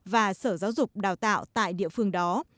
và sở giáo dục đào tạo tại địa phương đó